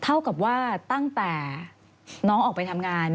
เท่ากับว่าตั้งแต่น้องออกไปทำงาน